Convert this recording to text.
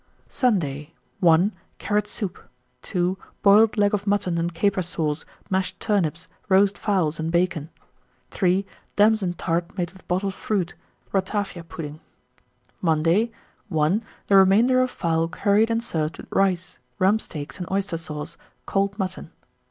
1924. Sunday. 1. Carrot soup. 2. Boiled leg of mutton and caper sauce, mashed turnips, roast fowls, and bacon. 3. Damson tart made with bottled fruit, ratafia pudding. 1925. Monday. 1. The remainder of fowl curried and served with rice; rump steaks and oyster sauce, cold mutton.